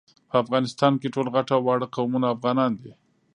په افغانستان کي ټول غټ او واړه قومونه افغانان دي